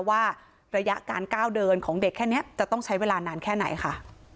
ว่าระยะการก้าวเดินของเด็กแค่นี้จะต้องใช้เวลานานแค่ไหนค่ะ